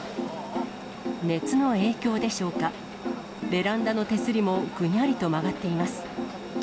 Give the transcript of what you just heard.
熱の影響でしょうか、ベランダの手すりも、ぐにゃりと曲がっています。